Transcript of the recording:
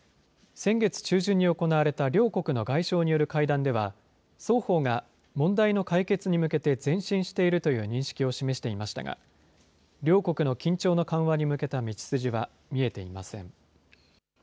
先月中旬に行われた両国の外相による会談では、双方が問題の解決に向けて前進しているという認識を示していましたが、両国の緊張の緩和に向けた道筋は見えていません。